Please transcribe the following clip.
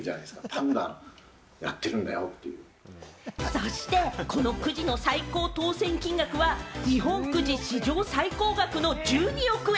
そして、このくじの最高当せん金額は日本くじ史上最高額の１２億円！